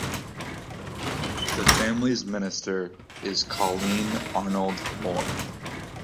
The families minister is Colleen Arnold-Moore.